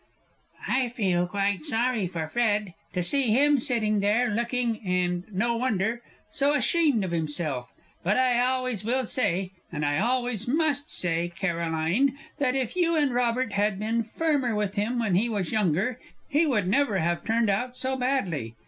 I felt quite sorry for Fred, to see him sitting there, looking and no wonder so ashamed of himself but I always will say, and I always must say, Caroline, that if you and Robert had been firmer with him when he was younger, he would never have turned out so badly!